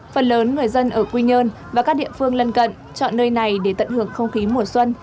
phần lớn người dân ở quy nhơn và các địa phương lân cận chọn nơi này để tận hưởng không khí mùa xuân